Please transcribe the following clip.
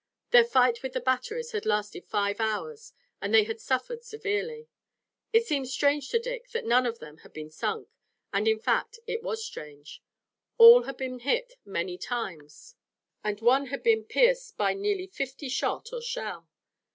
Their fight with the batteries had lasted five hours and they had suffered severely. It seemed strange to Dick that none of them had been sunk, and in fact it was strange. All had been hit many times, and one had been pierced by nearly fifty shot or shell.